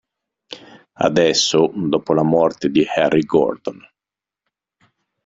Adesso, dopo la morte di Harry Gordon.